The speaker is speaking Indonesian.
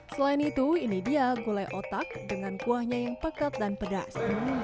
selain itu ini dia gulai otak dengan kuahnya yang pekat dan pedas